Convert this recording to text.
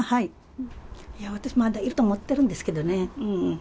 私、まだいると思ってるんですけどね。